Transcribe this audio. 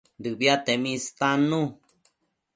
Dëbiatemi istannu